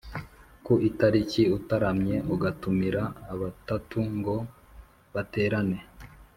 Ku itariki utaramye ugatumira abatatu ngo baterane